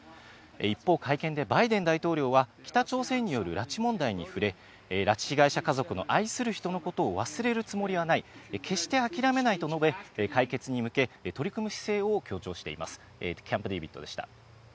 一方、会見でバイデン大統領は、北朝鮮による拉致問題に触れ、拉致被害者家族の愛する人のことを忘れるつもりはない、決して諦めないと述べ、解決に向け取り組む姿勢を強調しています。